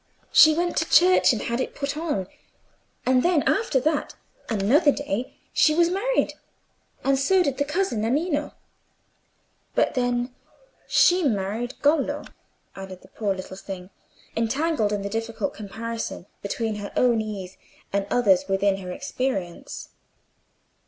She went to church and had it put on, and then after that, another day, she was married. And so did the cousin Nannina. But then she married Gollo," added the poor little thing, entangled in the difficult comparison between her own case and others within her experience.